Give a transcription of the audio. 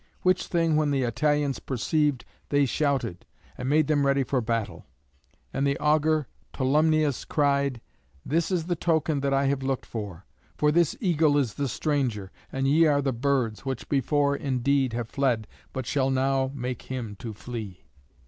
Which thing when the Italians perceived, they shouted, and made them ready for battle. And the augur Tolumnius cried, "This is the token that I have looked for. For this eagle is the stranger, and ye are the birds, which before, indeed, have fled, but shall now make him to flee."